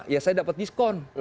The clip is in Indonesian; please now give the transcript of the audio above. ya saya dapat diskon